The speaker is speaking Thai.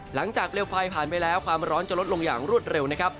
เปลวไฟผ่านไปแล้วความร้อนจะลดลงอย่างรวดเร็วนะครับ